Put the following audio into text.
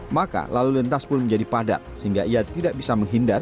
maka lalu lintas pun menjadi padat sehingga ia tidak bisa menghindar